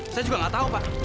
saya juga gak tau pak